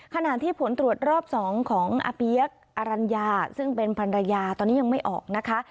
ขณะที่ผลตรวจรอบ๒ของอาเปี๊ยกอรัญญาซึ่งเป็นภรรยาตอนนี้ยังไม่ออกนะคะ